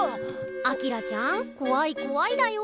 明ちゃんこわいこわいだよ！